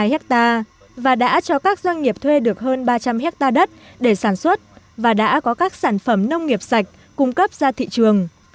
sáu trăm năm mươi sáu hai mươi hai hectare và đã cho các doanh nghiệp thuê được hơn ba trăm linh hectare đất để sản xuất và đã có các sản phẩm nông nghiệp sạch cung cấp ra thị trường